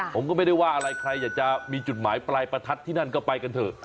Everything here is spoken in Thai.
ผมก็ไม่ได้ว่าอะไรใครอยากจะมีจุดหมายปลายประทัดที่นั่นก็ไปกันเถอะ